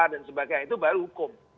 dan sebagainya itu baru hukum